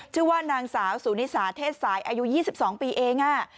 ชื่อว่านางสาวสุนิสาเทศสายอายุ๒๒ปีเอง